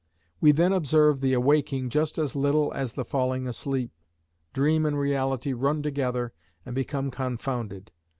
We then observe the awaking just as little as the falling asleep, dream and reality run together and become confounded.